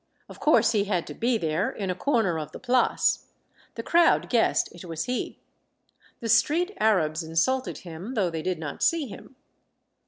Of course he had to be there, in a corner of the Place. The crowd guessed it was he. The 9 130 Monday Tales, street Arabs insulted him, though they did not see him.